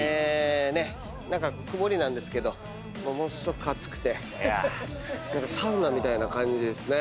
何か曇りなんですけどものすごく暑くてサウナみたいな感じですね。